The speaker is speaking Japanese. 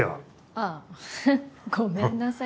あっごめんなさい。